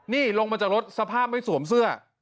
นี่ลงมาจากรถสภาพไม่สวมเสื้อ